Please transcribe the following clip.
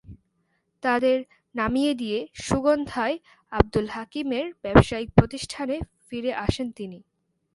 তাঁদের নামিয়ে দিয়ে সুগন্ধায় আবদুল হাকিমের ব্যবসায়িক প্রতিষ্ঠানে ফিরে আসেন তিনি।